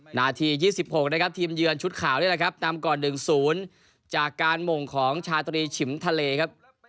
นาที๒๖นะครับทีมเยือนชุดขาวนี่แหละครับนำก่อน๑๐จากการหม่งของชาตรีฉิมทะเลครับ